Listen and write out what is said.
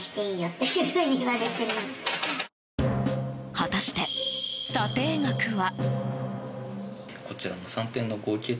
果たして、査定額は？